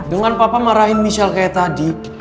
dengan papa marahin michel kayak tadi